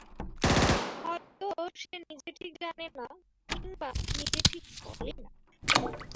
হয়তো সে নিজে ঠিক জানে না, কিংবা নিজে ঠিক বলে না।